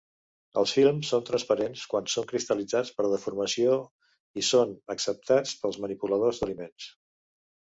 Els films són transparents quan són cristal·litzats per deformació i són acceptats pels manipuladors d’aliments.